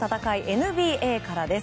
ＮＢＡからです。